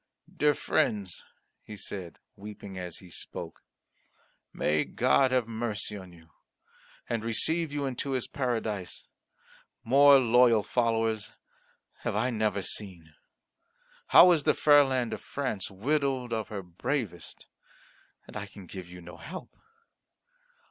"Dear friends," he said, weeping as he spoke, "may God have mercy on you and receive you into His Paradise! More loyal followers have I never seen. How is the fair land of France widowed of her bravest, and I can give you no help.